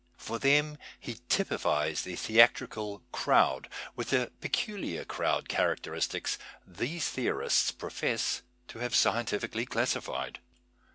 For them he typifies the theatrical " crowd,'' with the peculiar crowd characteristics these theorists pro fess to have scientifically classified.